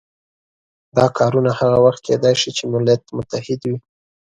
دا کارونه هغه وخت کېدای شي چې ملت متحد وي.